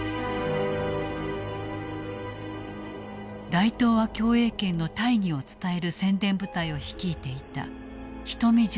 大東亜共栄圏の大義を伝える宣伝部隊を率いていた人見潤介。